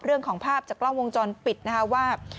เรื่องของภาพจากกล้องวงจรปิดนะคะว่า